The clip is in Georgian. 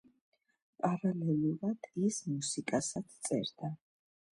პარალელურად ის მუსიკასაც წერდა.